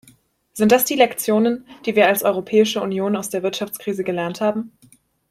Sind das die Lektionen, die wir als Europäische Union aus der Wirtschaftskrise gelernt haben?